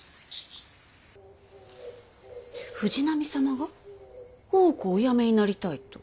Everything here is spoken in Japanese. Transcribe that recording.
藤波様が大奥をお辞めになりたいと。